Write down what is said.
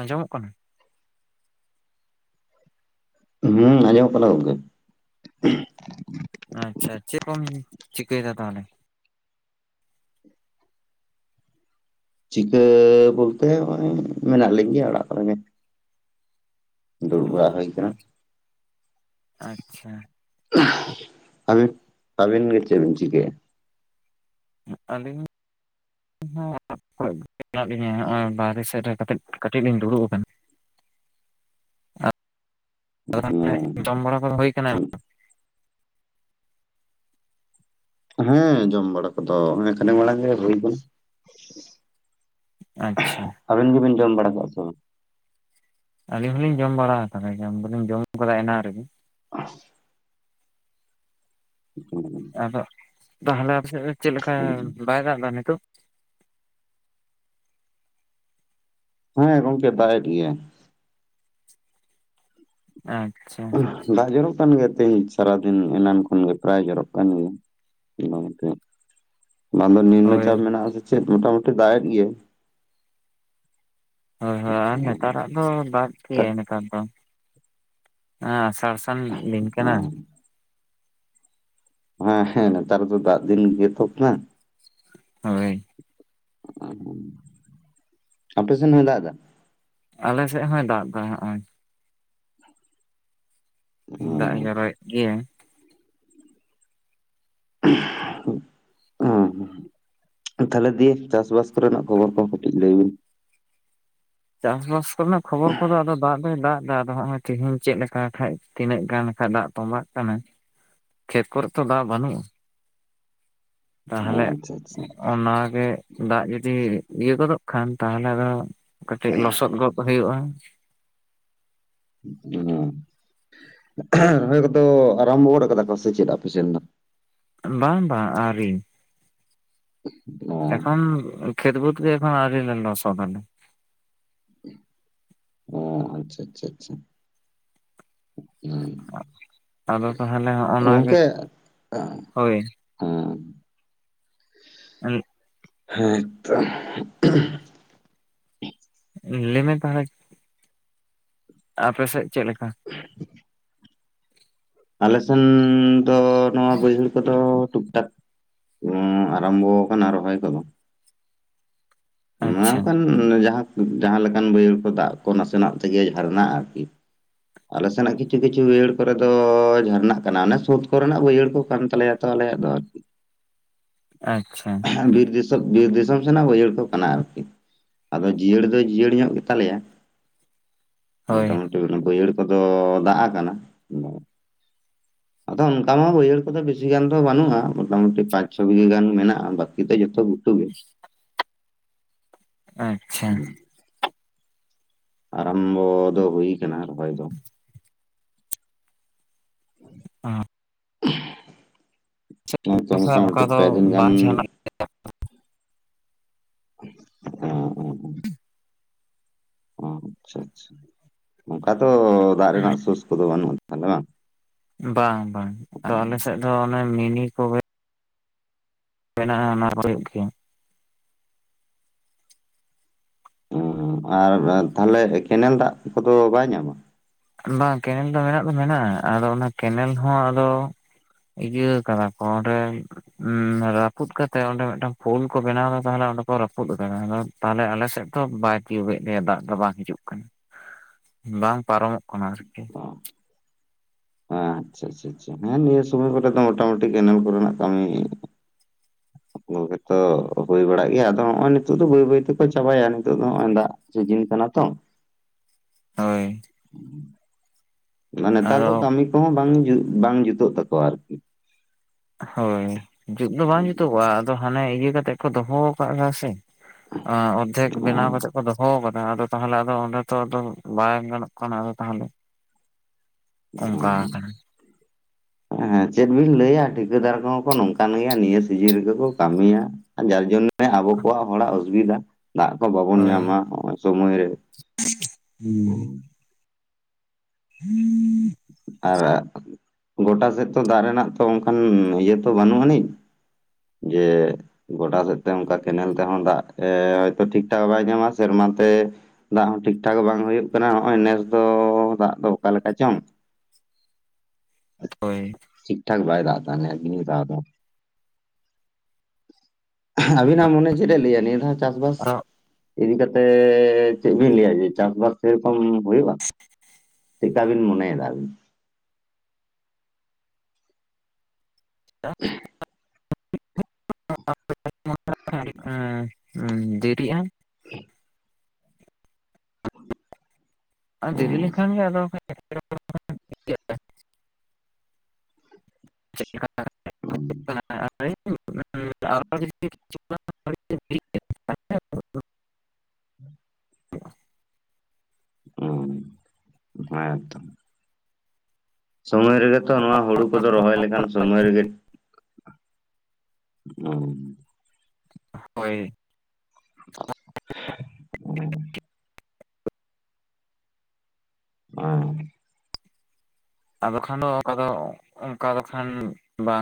ᱟᱸᱡᱚᱢᱚᱜ ᱠᱟᱱᱟ ᱦᱩᱸ ᱟᱡᱚᱢᱚᱜ ᱠᱟᱱᱟ ᱜᱚᱢᱠᱮ ᱟᱪᱷᱟ ᱪᱮᱫ ᱠᱚᱢ ᱪᱤᱠᱟᱹᱭᱟ ᱛᱟᱦᱚᱞᱮ? ᱪᱤᱠᱟᱹ ᱵᱚᱞᱛᱮ ᱱᱚᱜᱚᱭ ᱢᱮᱱᱟᱜ ᱞᱤᱧ ᱜᱮᱭᱟ ᱚᱲᱟᱜ ᱠᱚᱨᱮ ᱜᱮ ᱫᱩᱲᱩᱜ ᱵᱟᱲ [unintelligible] ᱟᱪᱷᱟ ᱟᱹᱵᱤᱱ ᱟᱵᱮᱱ ᱜᱮ ᱪᱮᱫ ᱵᱤᱱ ᱪᱤᱠᱟᱹᱭᱟ? ᱟᱹᱞᱤᱧ [unintelligible] ᱞᱤᱧᱟᱹ ᱵᱟᱦᱨᱮ ᱥᱮᱴᱮᱨ ᱠᱟᱛᱮᱫ ᱠᱟᱹᱴᱤᱡ ᱞᱤᱧ ᱫᱩᱲᱩᱵ ᱟᱠᱟᱱᱟ [unintelligible] ᱡᱚᱢ ᱵᱟᱲᱟ ᱠᱚ ᱦᱩᱭ ᱠᱟᱱᱟ ᱦᱩᱸ ᱦᱮᱸ ᱡᱚᱢ ᱵᱟᱲᱟ ᱠᱚᱫᱚ ᱠᱷᱟᱱᱮᱠ ᱢᱟᱲᱟᱝ ᱜᱮ ᱦᱩᱭ ᱠᱟᱱᱟ ᱟᱪᱷᱟ ᱟᱵᱤᱱ ᱜᱮᱵᱤᱱ ᱡᱚᱢ ᱵᱟᱲᱟ ᱟᱠᱟᱜᱼᱟ ᱥᱮ ᱵᱟᱝ? ᱟᱹᱞᱤᱧ ᱦᱚᱞᱤᱧ ᱡᱚᱢ ᱵᱟᱲᱟ ᱟᱠᱟᱫᱟ ᱡᱚᱢ ᱫᱚᱞᱤᱧ ᱡᱚᱢ ᱠᱟᱫᱟ ᱮᱱᱟᱱ ᱨᱮᱜᱮ᱾ [unintelligible] ᱟᱫᱚ ᱛᱟᱦᱚᱞᱮ ᱟᱯ ᱥᱮᱫ ᱫᱚ ᱪᱮᱫᱮᱠᱟ ᱵᱟᱭ ᱫᱟᱜ ᱮᱫᱟ ᱱᱤᱛᱳᱜ? ᱦᱮᱸ ᱜᱚᱝᱠᱮ ᱫᱟᱜ ᱮᱜ ᱜᱮᱭᱟᱭ ᱦᱮᱸ ᱟᱪᱷᱟ ᱫᱟᱜ ᱡᱚᱨᱚᱢ ᱠᱟᱱ ᱜᱮᱛᱮ ᱛᱮᱧᱪ ᱥᱟᱨᱟ ᱫᱤᱱ ᱮᱱᱟᱱ ᱠᱷᱚᱱᱜᱮ ᱯᱨᱟᱭ ᱡᱚᱨᱚᱜ ᱠᱟᱱ ᱜᱮᱭᱟ ᱚᱱᱟᱛᱮ ᱵᱟᱝ ᱫᱚ ᱱᱤᱢᱱᱚ ᱦᱳᱭ ᱪᱟᱯ ᱢᱮᱱᱟᱜ ᱟᱥᱮ ᱪᱮᱫ ᱢᱳᱴᱟᱢᱩᱴᱤ ᱫᱟᱜᱮᱫ ᱜᱮ ᱦᱳᱭ ᱦᱳᱭ ᱟᱨ ᱱᱮᱛᱟᱨᱟᱜ ᱫᱚ ᱫᱟᱜ ᱜᱮ ᱱᱮᱛᱟᱨ ᱫᱚ ᱟᱥᱟᱲ ᱥᱟᱱ ᱟᱱ ᱞᱤᱝᱠ ᱠᱟᱱᱟ ᱦᱮᱸ ᱦᱮᱸᱱᱮᱛᱟᱨ ᱛᱚ ᱫᱟᱜ ᱫᱤᱱ ᱜᱮ ᱛᱚ ᱠᱟᱱᱟ ᱦᱳᱭ ᱚᱸ ᱚᱯᱮ ᱥᱮᱱ ᱦᱚᱧ ᱫᱟᱜ ᱮᱫᱟ? ᱟᱞᱮ ᱥᱮᱫ ᱦᱚᱧ ᱫᱟᱜ ᱮᱫᱟ ᱦᱚᱸᱜᱼᱚᱭ᱾ ᱫᱟᱜ ᱮ ᱡᱚᱨᱚᱭᱮᱫ ᱜᱮᱭᱟᱭ [inaudible] ᱛᱟᱦᱚᱞᱮ ᱫᱤᱭᱮ ᱪᱟᱥᱵᱟᱥ ᱠᱚᱨᱮᱱᱟᱜ ᱠᱷᱚᱵᱚᱨ ᱠᱚᱦᱚᱸ ᱠᱟᱹᱴᱤᱡ ᱞᱟᱹᱭ ᱵᱤᱱ ᱪᱟᱥᱵᱟᱥ ᱠᱚᱨᱮᱱᱟᱜ ᱠᱷᱚᱵᱚᱨ ᱠᱚᱫᱚ ᱟᱫᱚ ᱫᱟᱜ ᱫᱚᱭ ᱫᱟᱜ ᱮᱫᱟ ᱟᱫᱚ ᱱᱚᱜ ᱚᱭ ᱛᱮᱦᱮᱧ ᱪᱮᱫ ᱞᱮᱠᱟ ᱠᱷᱟᱡ ᱛᱤᱱᱟᱹᱜ ᱜᱟᱱ ᱟᱠᱟᱱ ᱫᱟᱜ ᱛᱚᱸᱵᱟᱜ ᱠᱟᱱᱟ ᱠᱷᱮᱛ ᱠᱚᱨᱮ ᱛᱚ ᱫᱟᱜ ᱵᱟᱹᱱᱩᱜᱼᱟ ᱛᱟᱦᱚᱞᱮ ᱟᱪᱪᱷᱟ ᱟᱪᱪᱷᱟ ᱚᱱᱟ ᱜᱮ ᱫᱟᱜ ᱡᱩᱫᱤ ᱤᱭᱟᱹ ᱜᱚᱫᱚᱜ ᱠᱷᱟᱱ ᱛᱟᱦᱚᱞᱮ ᱫᱚ ᱠᱟᱹᱴᱤᱡ ᱞᱚᱥᱚᱫ ᱜᱚᱫ ᱦᱩᱭᱩᱜᱼᱟ ᱦᱚᱸ ᱨᱚᱦᱚᱭ ᱠᱚᱫᱚ ᱟᱨᱟᱢᱵᱚ ᱜᱚᱫ ᱠᱟᱫᱟ ᱠᱚ ᱥᱮ ᱪᱮᱫ ᱟᱯᱮ ᱥᱮᱫ ᱫᱚ? ᱵᱟᱝ ᱵᱟᱝ ᱟᱹᱣᱨᱤ ᱚ ᱮᱠᱷᱚᱱ ᱠᱷᱮᱛ ᱵᱟᱹᱫ ᱜᱮ ᱮᱠᱷᱚᱱ ᱟᱣᱨᱤ ᱞᱮ ᱞᱚᱥᱚᱫᱟ ᱚ ᱟᱪᱪᱷᱟ ᱟᱪᱪᱷᱟ ᱟᱪᱪᱷᱟ ᱦᱮᱸ ᱟᱫᱚ ᱛᱟᱦᱚᱞᱮ ᱦᱚᱸᱜ ᱚᱱᱟ ᱜᱮ ᱦᱳᱭ ᱦᱮᱸ [unintelligible] ᱦᱮᱸᱛᱚ [unintelligible] ᱞᱟᱹᱭᱢᱮ ᱛᱟᱦᱚᱞᱮ ᱟᱯᱮ ᱥᱮᱫ ᱪᱮᱫ ᱞᱮᱠᱟ? ᱟᱞᱮ ᱥᱮᱱ ᱫᱚ ᱱᱚᱶᱟ ᱵᱟᱹᱭᱡᱦᱟᱹᱲ ᱠᱚᱫᱚ ᱴᱩᱠᱴᱟᱠ ᱟᱨᱟᱢᱵᱚ ᱠᱟᱱᱟ ᱨᱚᱦᱚᱭ ᱠᱚᱫᱚ ᱱᱚ ᱟᱪᱪᱷᱟ ᱚᱱᱠᱟᱱ ᱡᱟᱦᱟ ᱞᱮᱠᱟᱱ ᱵᱟᱹᱭᱦᱟᱹᱲ ᱠᱚ ᱫᱟᱜ ᱠᱚ ᱱᱟᱥᱮᱱᱟᱜ ᱛᱮᱜᱮ ᱡᱷᱟᱨᱱᱟᱜ-ᱟ ᱟᱨᱠᱤ ᱟᱞᱮ ᱥᱮᱱᱟᱜ ᱠᱤᱪᱷᱩ ᱠᱤᱪᱷᱩ ᱵᱭᱦᱟᱹᱲ ᱠᱚᱨᱮ ᱫᱚ ᱡᱷᱟᱨᱱᱟᱜ ᱠᱟᱱᱟ ᱚᱱᱮ ᱥᱳᱫᱽ ᱠᱚᱨᱮᱱᱟᱜ ᱵᱟᱹᱭᱦᱟᱹᱲ ᱠᱚ ᱠᱟᱱ ᱛᱟᱞᱮᱭᱟ ᱛᱟᱦᱞᱮ ᱟᱫᱚ ᱟᱪᱪᱷᱟ ᱵᱤᱨ ᱫᱤᱥᱚᱢ ᱵᱤᱨ ᱫᱤᱥᱚᱢ ᱥᱮᱱᱟᱜ ᱵᱟᱹᱭᱦᱟᱹᱲ ᱠᱚ ᱚᱱᱟ ᱟᱨᱠᱤ, ᱟᱫᱚ ᱡᱤᱭᱟᱹᱲ ᱫᱚ ᱡᱤᱭᱟᱹᱲ ᱧᱚᱜ ᱜᱮ ᱛᱟᱞᱮᱭᱟ ᱦᱳᱭ ᱢᱚᱴᱟᱢᱩᱴᱤ ᱵᱟᱹᱭᱦᱟᱹᱲ ᱠᱚᱫᱚ ᱫᱟᱜ ᱟᱠᱟᱱᱟ [inaudible] ᱟᱫᱚ ᱚᱱᱠᱟ ᱢᱟ ᱵᱟᱹᱦᱟᱹᱲ ᱠᱚᱫᱚ ᱵᱮᱥᱤ ᱜᱟᱱ ᱫᱚ ᱵᱟᱱᱩᱜ-ᱟ ᱢᱚᱴᱟᱢᱩᱴᱤ ᱯᱟᱸᱪ ᱪᱷᱚ ᱵᱤᱜᱷᱟᱹ ᱜᱟᱱ ᱢᱮᱱᱟᱜ-ᱟ ᱵᱟᱠᱤ ᱫᱚ ᱡᱷᱚᱛᱚ ᱵᱩᱴᱟᱹ ᱟᱪᱪᱷᱟ ᱟᱨᱟᱢᱻᱵᱚ ᱫᱚ ᱦᱩᱭ ᱭᱟᱠᱟᱱᱟ ᱨᱚᱦᱚᱭ ᱫᱚ, [inaudible] [inaudible] [inaudible] ᱱᱚᱜᱼᱚᱭ ᱛᱚ [unintelligible] ᱚᱠᱟ ᱢᱚᱴᱟᱢᱩᱴᱤ ᱫᱚ ᱯᱮ ᱫᱤᱱ ᱜᱟᱱ ᱵᱟᱦᱟ [unintelligible] [unintelligible] ᱚ ᱟᱪᱪᱷᱟ ᱟᱪᱪᱷᱟ ᱚᱱᱠᱟ ᱛᱚ ᱫᱟᱜ ᱨᱮᱱᱟᱜ ᱥᱳᱥ ᱠᱚ ᱫᱚ ᱵᱟᱹᱱᱩᱜ ᱛᱟᱦᱞᱮ ᱵᱟᱝ, ᱵᱟᱝ ᱵᱟᱝ ᱟᱞᱮ ᱥᱮᱫ ᱫᱚ ᱚᱱᱮ ᱢᱤᱱᱤ ᱠᱚ ᱜᱮ ᱢᱮᱱᱟᱜ ᱟ ᱚᱱᱟ ᱠᱚ ᱦᱩᱭᱩᱜ ᱜᱮᱭᱟ᱾ ᱩᱸᱦ ᱟᱨ ᱛᱟᱦᱮᱞᱮ ᱠᱮᱱᱮᱞ ᱫᱟᱜ ᱠᱚᱫᱚ ᱵᱟᱭ ᱧᱟᱢᱟ? ᱵᱟᱝ ᱠᱮᱱᱮᱞ ᱫᱚ ᱢᱮᱱᱟᱜ ᱫᱚ ᱢᱮᱱᱟᱜᱼᱟ, ᱟᱫᱚ ᱚᱱᱟ ᱠᱮᱱᱮᱞ ᱦᱚᱸ ᱟᱫᱚ ᱤᱭᱟᱹ ᱟᱠᱟᱫᱟ ᱠᱚ ᱚᱸᱰᱮ ᱨᱟᱹᱯᱩᱫ ᱠᱟᱛᱮᱜ ᱚᱸᱰᱮ ᱢᱤᱫ ᱴᱟᱝ ᱯᱳᱞ ᱠᱚ ᱵᱮᱱᱟᱣ ᱮᱫᱟ ᱛᱟᱦᱞᱮ ᱚᱸᱰᱮ ᱨᱟᱹᱯᱩᱫ ᱠᱟᱱᱟ ᱟᱫᱚ ᱛᱟᱦᱞᱮ ᱟᱞᱮ ᱥᱮᱫ ᱫᱚ ᱵᱟᱭ ᱛᱤᱭᱳᱜ ᱮᱫ ᱞᱮᱭᱟ ᱫᱟᱜ ᱫᱚ ᱵᱟᱝ ᱦᱤᱡᱩᱜ ᱠᱟᱱᱟ᱾ ᱵᱟᱝ ᱯᱟᱨᱚᱢᱚᱜ ᱠᱟᱱᱟ ᱟᱨᱠᱤ ᱟᱻᱪᱷᱟ ᱟᱪᱷᱟ ᱟᱪᱷᱟ ᱱᱮᱜ ᱮ ᱱᱤᱭᱟᱹ ᱥᱚᱢᱚᱭ ᱠᱚᱨᱮ ᱫᱚ ᱢᱚᱴᱟ ᱢᱩᱴᱤ ᱠᱮᱱᱮᱞ ᱠᱚᱨᱮᱱᱟᱜ ᱠᱟᱹᱢᱤ ᱚ ᱜᱮᱛᱚ ᱦᱩᱭ ᱵᱟᱲᱟᱜ ᱜᱮᱭᱟ ᱟᱫᱚ ᱱᱚᱜᱼᱚᱭ ᱱᱤᱛᱚᱜ ᱫᱚ ᱵᱟᱹᱭ ᱵᱟᱹᱭ ᱛᱮ ᱠᱚ ᱪᱟᱵᱟ ᱭᱟ ᱱᱤᱛᱚᱜ ᱫᱚ ᱱᱚᱜᱼᱚᱭ ᱫᱟᱜ ᱪᱮᱫ ᱡᱤᱞ ᱠᱟᱱᱟ ᱛᱚ? ᱦᱳᱭ! ᱢᱟᱱᱮ ᱱᱮᱛᱟᱨ ᱟᱫᱚ ᱫᱚ ᱠᱟᱹᱢᱤ ᱠᱚ ᱦᱚᱸ ᱵᱟᱝ ᱵᱟᱝ ᱡᱩᱛᱩᱜ ᱛᱟ ᱠᱚᱣᱟ ᱟᱨᱠᱤ, ᱦᱳᱭ, ᱡᱩᱫ ᱫᱚ ᱵᱟᱝ ᱡᱩᱛᱩᱜᱚᱜᱼᱟ, ᱟᱫᱚ ᱦᱟᱱᱮ ᱤᱭᱟᱹ ᱠᱟᱛᱮᱫ ᱠᱚ ᱫᱚᱦᱚ ᱟᱠᱟᱜ ᱟ ᱟᱥᱮ, ᱟᱸ ᱚᱸᱛᱷᱮᱠ ᱵᱮᱱᱟᱣ ᱚᱸ ᱯᱟᱪᱷᱮᱫ, ᱛᱚ ᱫᱚᱦᱚ ᱟᱠᱟᱫᱟ ᱟᱫᱚ ᱛᱟᱦᱮᱞᱮ ᱟᱫᱚ ᱚᱸᱰᱮ ᱛᱚ ᱟᱫᱚ ᱵᱟᱝ ᱜᱟᱱᱚᱜ ᱠᱟᱱᱟ ᱟᱫᱚ ᱛᱟᱦᱮᱞᱮ? ᱚᱱᱠᱟ ᱦᱟᱠᱟᱱᱟ, ᱦᱮᱸ ᱪᱮᱫ ᱵᱤᱱ ᱞᱟᱹᱭᱟ ᱴᱷᱤᱠᱟᱹᱫᱟᱨ ᱠᱚ ᱦᱚᱸ ᱠᱚ ᱱᱚᱝ ᱠᱟᱱ ᱜᱮᱭᱟ ᱱᱤᱭᱟᱹ ᱥᱤᱡᱤᱱ ᱨᱮᱜᱮ ᱠᱚ ᱠᱟᱹᱢᱤᱭᱟ, ᱡᱟᱨ ᱡᱮᱢ [unintelligible] ᱟᱵᱚ ᱠᱚᱣᱟᱜ ᱦᱚᱲᱟᱜ ᱚᱡᱽᱵᱤᱫᱟ, ᱫᱟᱜ ᱠᱚ ᱵᱟᱵᱚᱱ ᱦᱳᱭ ᱧᱟᱢᱟ, ᱦᱚᱸᱜ ᱚᱭ ᱥᱚᱢᱚᱭ ᱨᱮ, [inaudible] ᱟᱨᱟᱜ, ᱜᱚᱴᱟ ᱥᱮᱫ ᱛᱚ ᱫᱟᱜ ᱨᱮᱱᱟᱜ ᱛᱚ ᱚᱸᱠᱟᱱ ᱤᱭᱟᱹ ᱛᱚ ᱵᱟᱹᱱᱩᱜ ᱟᱹᱱᱤᱡ? ᱡᱮᱻ ᱜᱚᱰᱟ ᱥᱮᱫ ᱛᱮ ᱚᱱᱠᱟ ᱠᱮᱱᱮᱞ ᱛᱮᱦᱚᱸ ᱫᱟᱜ ᱮ ᱦᱚᱭᱛᱳ ᱴᱷᱤᱠᱴᱷᱟᱠ ᱵᱟᱭ ᱧᱟᱢᱟ ᱥᱮᱨᱢᱟ ᱛᱮ ᱫᱟᱜ ᱦᱚᱸ ᱴᱷᱤᱠ ᱴᱷᱟᱠ ᱵᱟᱝ ᱦᱩᱭᱩᱜ ᱠᱟᱱᱟ, ᱱᱚᱜᱼᱚᱭ ᱱᱮᱥ ᱫᱚᱻ ᱫᱟᱜ ᱫᱚ ᱚᱠᱟ ᱞᱮᱠᱟ ᱪᱚᱝ? [inaudible] ᱦᱳᱭ! ᱴᱷᱤᱠ ᱴᱷᱟᱠ ᱵᱷᱟᱭ ᱫᱟᱜ ᱮᱫᱟ, ᱦᱮᱞᱮ ᱟᱹᱵᱤᱱ ᱜᱮ ᱫᱟ ᱵᱮᱱ, ᱟᱵᱤᱱᱟᱜ ᱢᱳᱱᱮ ᱪᱮᱫ ᱮ ᱞᱟᱹᱭᱟ, ᱱᱤᱭᱟ ᱫᱷᱟᱣ ᱪᱟᱥ ᱵᱟᱥ? ᱟᱫᱚ ᱤᱫᱤ ᱠᱟᱛᱮ ᱮᱮ ᱪᱮᱫ ᱵᱤᱱ ᱞᱟᱹᱭᱟ, ᱡᱮ ᱪᱟᱥᱼᱵᱟᱥ ᱥᱮ ᱨᱚᱠᱚᱢ ᱦᱩᱭᱩᱜᱼᱟ? ᱪᱮᱫ ᱫᱟᱜ ᱵᱤᱱ ᱢᱚᱱᱮ ᱭᱮᱫᱟ ᱟᱹᱵᱤᱱ? [unintelligible] [unintelligible] [unintelligible] ᱮᱸ ᱫᱮᱨᱤᱜᱼᱟ᱾ [inaudible] ᱫᱮᱨᱤ ᱞᱮᱱᱠᱷᱟᱱ ᱜᱮ ᱟᱫᱚ [unintelligible] [unintelligible] [inaudible] ᱦᱩᱸ ᱦᱮᱸ ᱛᱚ ᱥᱚᱢᱚᱭ ᱨᱮᱜᱮ ᱛᱚ ᱱᱚᱶᱟ ᱦᱩᱲᱩ ᱠᱚᱫᱚ ᱨᱚᱦᱚᱭ ᱞᱮᱠᱷᱟᱱ ᱥᱚᱢᱚᱭ ᱨᱮᱜᱮ ᱚᱧᱻ ᱦᱳᱭ᱾ [inaudible] ᱦᱚᱸ ᱟᱫᱚ ᱠᱷᱟᱱ ᱫᱚ ᱚᱠᱟ ᱫᱚ ᱚᱱᱠᱟ ᱫᱚ ᱠᱷᱟᱱ ᱵᱟᱝ